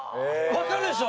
わかるでしょ？